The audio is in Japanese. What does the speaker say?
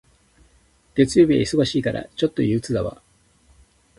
月曜日は忙しいから、ちょっと憂鬱だわ。